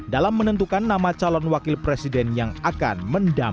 dalam menentukan nama calon wakil presiden yang akan mendampingi